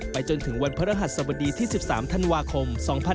จนถึงวันพระรหัสสบดีที่๑๓ธันวาคม๒๕๖๒